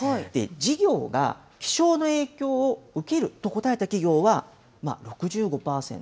事業が気象の影響を受けると答えた企業は６５％。